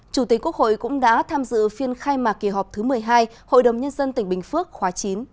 chủ tịch quốc hội cũng đã tham dự phiên khai mạc kỳ họp thứ một mươi hai hội đồng nhân dân tỉnh bình phước khóa chín